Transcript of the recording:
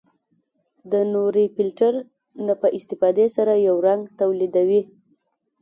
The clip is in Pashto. د نوري فلټر نه په استفادې سره یو رنګ تولیدوي.